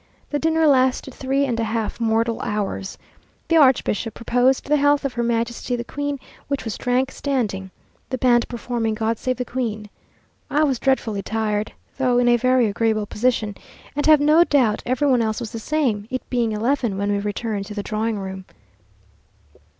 The dinner lasted three and a half mortal hours. The archbishop proposed the health of Her Majesty the Queen, which was drank standing, the band performing God save the queen. I was dreadfully tired (though in a very agreeable position), and have no doubt every one else was the same, it being eleven when we returned to the drawing room.